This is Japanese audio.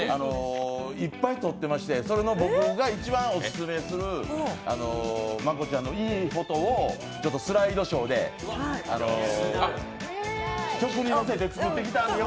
いっぱい撮ってましてそれの僕が一番オススメする真子ちゃんのいいフォトをスライドショーで曲に乗せて作ってきたんですよ。